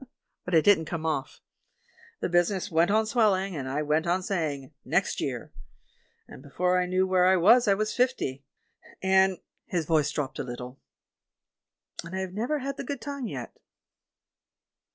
But it didn't come off. The business went on swelling, and I went on saying, 'Next year.' And before I knew where I was I was fifty, and" — his voice dropped a little — "and I have never had the good time yet."